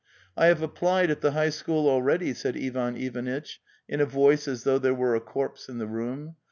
"IT have applied at the high school already," said Ivan Ivanitch in a voice as though there were a corpse in the room.